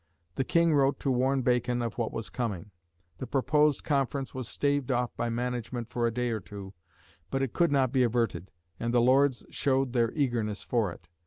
The King wrote to warn Bacon of what was coming. The proposed conference was staved off by management for a day or two, but it could not be averted, and the Lords showed their eagerness for it.